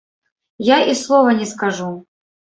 Я і слова не скажу.